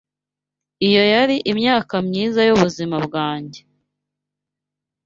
Iyo yari imyaka myiza yubuzima bwanjye.